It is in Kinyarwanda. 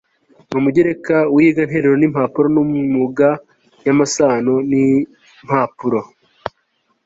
n'umugereka w'iyiganteruro w'impapuro n'amuga y'amasano y'impapuro